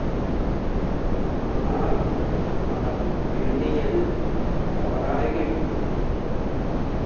ஆனால், அவன் எண்ணியது தவறாகிவிட்டது.